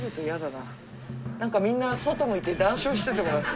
なんかみんな外向いて談笑しててもらって。